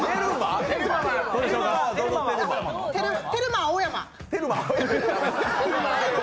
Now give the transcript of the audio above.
テルマ・青山！